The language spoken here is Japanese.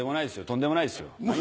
とんでもないですよ。